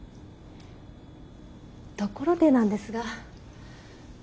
ところでなんですがこちらを。